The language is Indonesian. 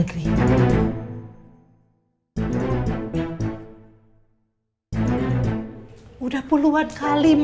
nah berikut more more para buang air itu